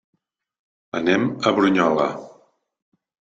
Anem a Brunyola.